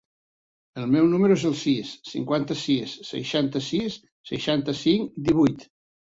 El meu número es el sis, cinquanta-sis, seixanta-sis, seixanta-cinc, divuit.